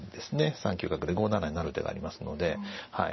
３九角で５七に成る手がありますのではい。